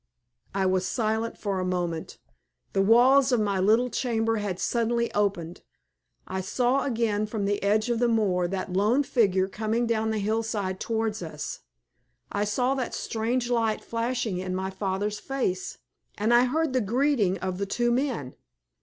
I was silent for a moment. The walls of my little chamber had suddenly opened. I saw again from the edge of the moor that lone figure coming down the hillside towards us, I saw that strange light flashing in my father's face, and I heard the greeting of the two men.